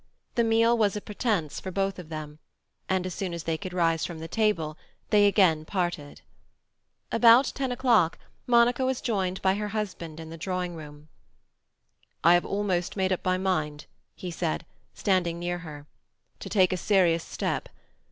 The meal was a pretence for both of them, and as soon as they could rise from the table they again parted. About ten o'clock Monica was joined by her husband in the drawing room. "I have almost made up my mind," he said, standing near her, "to take a serious step.